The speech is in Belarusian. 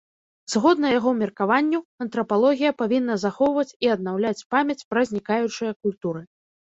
Згодна яго меркаванню, антрапалогія павінна захоўваць і аднаўляць памяць пра знікаючыя культуры.